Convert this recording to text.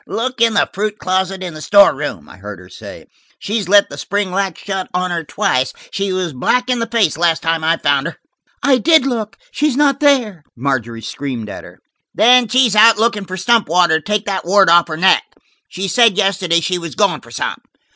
"Look in the fruit closet in the store room," I heard her say. "She's let the spring lock shut on her twice; she was black in the face the last time we found her." "I did look; she's not there," Margery screamed at her. "Then she's out looking for stump water to take that wart off her neck. She said yesterday she was going for some."